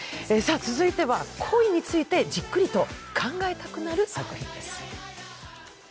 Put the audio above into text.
続いては恋についてじっくりと考えたくなる映画です。